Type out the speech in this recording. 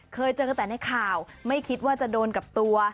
เคยเจอแต่ในข่าวไม่คิดว่าจะโดนกับตัว